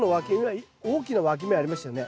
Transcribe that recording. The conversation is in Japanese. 大きなわき芽ありましたよね。